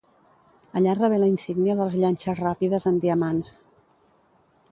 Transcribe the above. Allà rebé la Insígnia de les Llanxes Ràpides amb diamants.